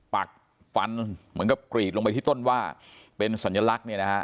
ปักฟันเหมือนกับกรีดลงไปที่ต้นว่าเป็นสัญลักษณ์เนี่ยนะฮะ